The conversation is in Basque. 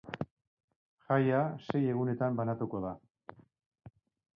Jaia sei gunetan banatuko da.